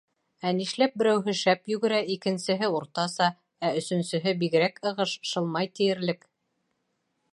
— Ә нишләп берәүһе шәп йүгерә, икенсеһе уртаса, ә өсөнсөһө бигерәк ығыш, шылмай тиерлек.